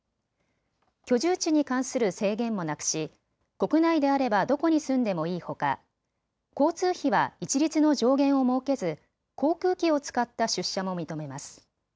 居住地に関する制限もなくし国内であればどこに住んでもいいほか、交通費は一律の上限を設けず航空機を使った出社も認めます。